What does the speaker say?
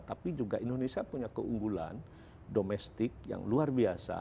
tapi juga indonesia punya keunggulan domestik yang luar biasa